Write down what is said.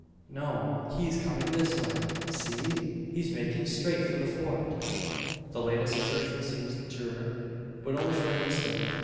"No, he's coming this way! See! He's making straight for the Fort!" The latest assertion seems the truer; but only for an instant.